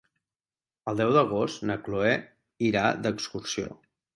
El deu d'agost na Chloé irà d'excursió.